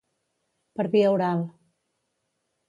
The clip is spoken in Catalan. Per via oral.